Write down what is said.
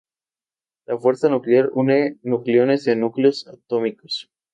La fuerza nuclear une nucleones en núcleos atómicos.